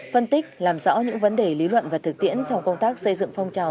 phân tích làm rõ những vấn đề lý luận và thực tiễn trong công tác xây dựng phong trào